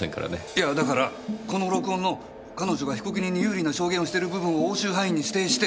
いやだからこの録音の彼女が被告人に有利な証言をしてる部分を押収範囲に指定して。